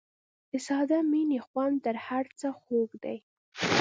د ساده مینې خوند تر هر څه خوږ دی.